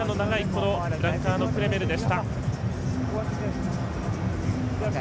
このフランカーのクレメルでした。